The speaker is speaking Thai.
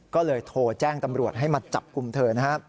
ก็เลยโทรแจ้งตำรวจให้มาจับกลุ่มเธอนะครับ